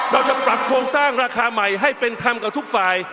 เราจะปรับโครงสร้างราคาใหม่ให้เป็นธรรมกับทุกฝ่าย